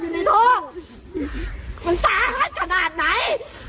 มันสาธารณ์ขนาดไหน